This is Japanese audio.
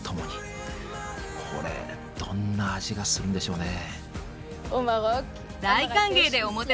これどんな味がするんでしょうね。